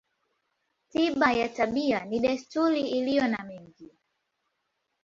Tiba ya tabia ni desturi iliyo na mengi.